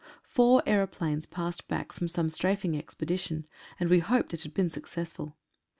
Four aeroplanes passed back from some strafing expedition, and we hoped it had been successful.